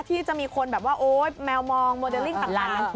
ที่จะมีคนแบบว่าโอ๊ยแมวมองโมเดลลิ่งต่าง